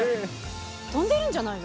飛んでるんじゃないの？